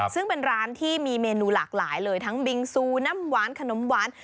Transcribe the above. ซึ่งเป็นร้านที่มีเมนูหลากหลายเลยทั้งบิงซูน้ำหวานขนมหวาน